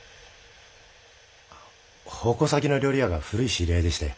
奉公先の料理屋が古い知り合いでして。